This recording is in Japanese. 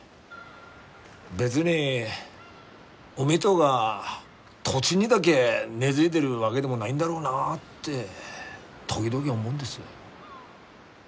別に海とが土地にだげ根づいでるわげでもないんだろうなって時々思うんです。